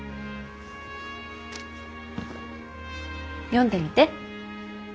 読んでみて。